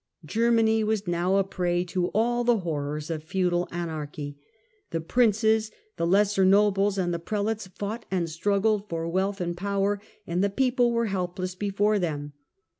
Germany was now a prey to all the horrors of feudal anarchy. The princes, the lesser nobles and the prelates fought and struggled for wealth and power, and the people were helpless before them.